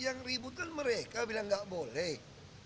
yang ribut kan mereka bilang nggak boleh